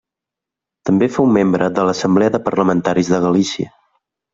També fou membre de l'Assemblea de Parlamentaris de Galícia.